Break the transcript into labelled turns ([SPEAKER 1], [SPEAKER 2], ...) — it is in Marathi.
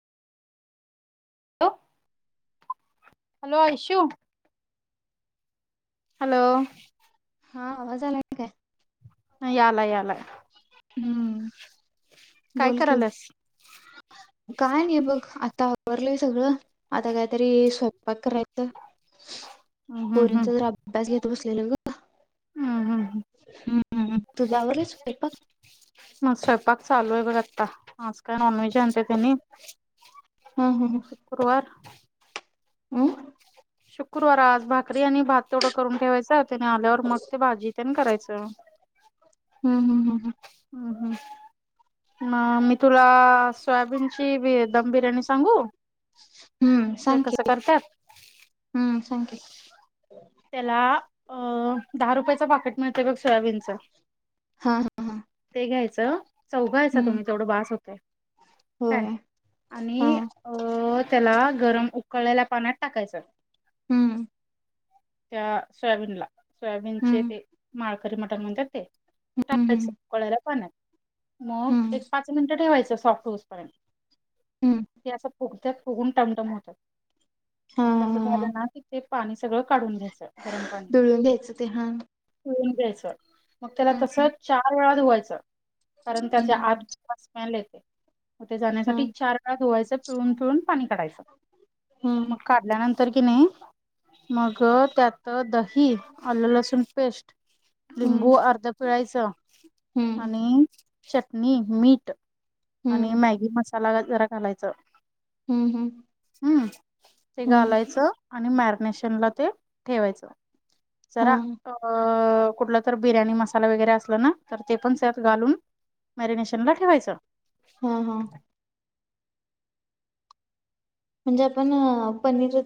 [SPEAKER 1] [inaudible] हॅलो आयशु? हॅलो?
[SPEAKER 2] हां आवाज आलाय काय?
[SPEAKER 1] यालाय यालाय.
[SPEAKER 2] हम्म.
[SPEAKER 1] काय
[SPEAKER 2] बोल की
[SPEAKER 1] कराल्यास?
[SPEAKER 2] काय नाही बघ आता आवरलंय सगळं आता काहीतरी स्वयंपाक करायचं.
[SPEAKER 1] हम् हम्
[SPEAKER 2] पोरींचा जरा अभ्यास घेत बसलेलो गं.
[SPEAKER 1] हम्म हम्म हम्म.
[SPEAKER 2] तुझं आवरलं स्वयंपाक
[SPEAKER 1] मग स्वयं पाक चालू आहे बघ आत्ता आज काय नॉनव्हेज आणत्यात ह्यांनी शुक्कुरवार.
[SPEAKER 2] अम्म?
[SPEAKER 1] शुक्कुरवार आज भाकरी आणि भात तेवढं करून ठेवायचं त्यानी आल्यावर मग ते भाजी तेन कराय अच्छा.
[SPEAKER 2] हम्म हम्म हम्म हम्म.
[SPEAKER 1] हम्म हम्म. म मी तुला सोयाबीनची बी दम बिर्याणी सांगू?
[SPEAKER 2] हम्म
[SPEAKER 1] हे
[SPEAKER 2] सांग की
[SPEAKER 1] कसं करतात?
[SPEAKER 2] हम्म सांग की.
[SPEAKER 1] आ अ दहा रुपयचं पाकीट मिळतंय बघ सोयाबीनच.
[SPEAKER 2] हां हां हां.
[SPEAKER 1] घ्यायच चौघाअच असता तुम्ही तेवढं बास होतय. काय
[SPEAKER 2] होय हा
[SPEAKER 1] आणि अ त्याला.. गरम उकळलेला पाण्यात टाकायचं.
[SPEAKER 2] हम्म.
[SPEAKER 1] त्या सोयाबीनला-सोयाबीनचे
[SPEAKER 2] हम्म
[SPEAKER 1] ते माळकरी मटण म्हणतात ते.. ते
[SPEAKER 2] हम्म
[SPEAKER 1] टाकायच
[SPEAKER 2] हम्म
[SPEAKER 1] कळाला पाण.. मग
[SPEAKER 2] हम्म
[SPEAKER 1] एक पाच मिनिटं ठेवायचं सॉफ्ट ऊस पर्यंत
[SPEAKER 2] हम्म
[SPEAKER 1] ते असं.. फुगत्या फुगून टमटम होतात.
[SPEAKER 2] हा
[SPEAKER 1] मग तस..
[SPEAKER 2] हा हा
[SPEAKER 1] तथ पाणी सगळ काढून घ्यायच. गरम पा..
[SPEAKER 2] दळून घ्यायचं ते हा हम्म
[SPEAKER 1] च मग त्याला तस चार वेळा धुवायचं कारण त्यात
[SPEAKER 2] हम्म
[SPEAKER 1] आठ स् मॅल.. ते [inaudible] हो ते
[SPEAKER 2] हम्म
[SPEAKER 1] जाण्यासाठी चार वेळा धुवायचं पिळून पिळून पाणी काढायचं.
[SPEAKER 2] हम्म
[SPEAKER 1] मग काढल्यानंतर.. की नाही मग त्यात दही, आलं लसूण, पेस्ट... लिंबू
[SPEAKER 2] हम्म
[SPEAKER 1] अर्ध पिळायच.
[SPEAKER 2] हम्म
[SPEAKER 1] आणि.. चटणी मीठ आणि
[SPEAKER 2] हम्म
[SPEAKER 1] मॅगी मसाला जरा घालायच.
[SPEAKER 2] हम्म हम्म.
[SPEAKER 1] हम् ते घालायचं आणि मॅरिनेशनला ते ठेवायचं.
[SPEAKER 2] हा
[SPEAKER 1] सरा अ कुठला... तर बिर्याणी मसाला वगैरे असलं ना तर ते पण सत घालून मॅरिनेशन ला ठेवायचं.
[SPEAKER 2] हा हा. म्हणजे आपण पनीर..